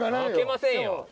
負けませんよ。